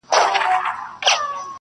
په غزض یې لیکنې کړي